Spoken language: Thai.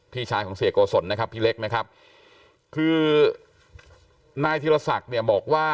พี่ชายของเสียโกศลนะครับพี่เล็กนะครับคือนายธีรศักดิ์เนี่ยบอกว่า